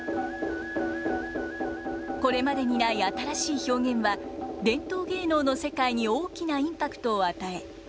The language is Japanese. これまでにない新しい表現は伝統芸能の世界に大きなインパクトを与え